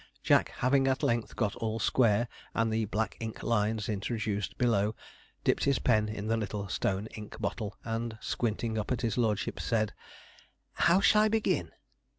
Jack having at length got all square, and the black ink lines introduced below, dipped his pen in the little stone ink bottle, and, squinting up at his lordship, said: 'How shall I begin?'